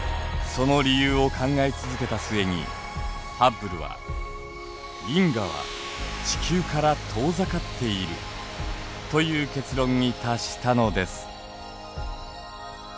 その理由を考え続けた末にハッブルは「銀河は地球から遠ざかっている」という結論に達したのです。